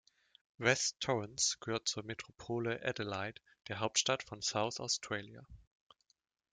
West Torrens gehört zur Metropole Adelaide, der Hauptstadt von South Australia.